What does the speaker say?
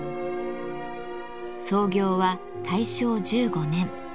創業は大正１５年。